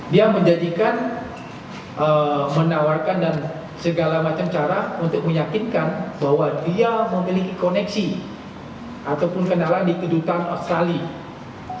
dia menjadikan menawarkan dan segala macam cara untuk meyakinkan bahwa dia memiliki koneksi ataupun kendala di kedutaan australia